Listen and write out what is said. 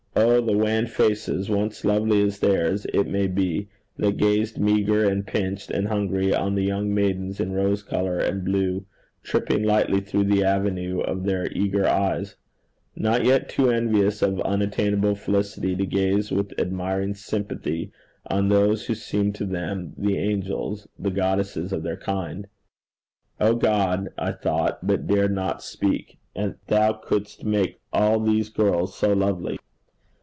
Oh! the wan faces, once lovely as theirs, it may be, that gazed meagre and pinched and hungry on the young maidens in rose colour and blue, tripping lightly through the avenue of their eager eyes not yet too envious of unattainable felicity to gaze with admiring sympathy on those who seemed to them the angels, the goddesses of their kind. 'O God!' I thought, but dared not speak, 'and thou couldst make all these girls so lovely!